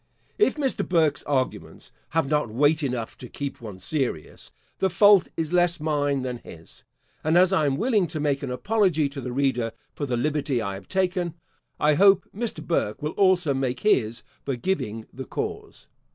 If Mr. Burke's arguments have not weight enough to keep one serious, the fault is less mine than his; and as I am willing to make an apology to the reader for the liberty I have taken, I hope Mr. Burke will also make his for giving the cause.